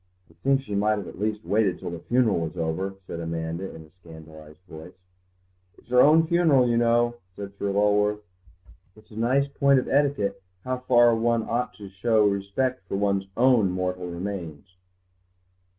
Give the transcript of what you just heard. "I think she might at least have waited till the funeral was over," said Amanda in a scandalised voice. "It's her own funeral, you know," said Sir Lulworth; "it's a nice point in etiquette how far one ought to show respect to one's own mortal remains."